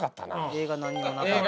映画何にもなかった。